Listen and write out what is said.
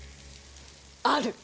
ある！